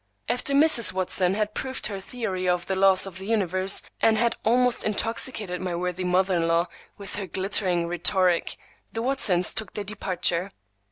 After Mrs. Watson had proved her theory of the laws of the universe, and had almost intoxicated my worthy mother in law with her glittering rhetoric, the Watsons took their departure.